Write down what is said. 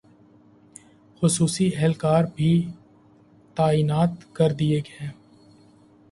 خصوصی اہلکار بھی تعینات کردیئے ہیں